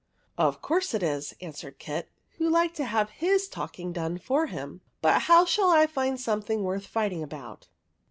^'/'" Of course it is," answered Kit, who liked to have his talking done for him ;" but how shall I find something worth fighting about